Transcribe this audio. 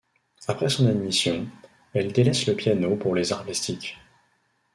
Après son admission, elle délaisse le piano pour les arts plastiques.